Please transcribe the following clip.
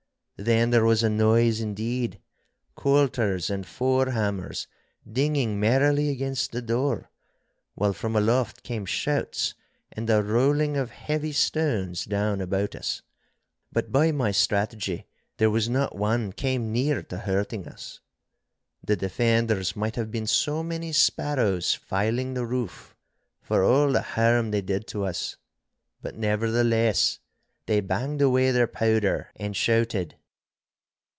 Then there was a noise indeed, coulters and fore hammers dinging merrily against the door, while from aloft came shouts and the rolling of heavy stones down about us; but by my strategy there was not one came near to hurting us. The defenders might have been so many sparrows fyling the roof, for all the harm they did to us. But nevertheless, they banged away their powder and shouted.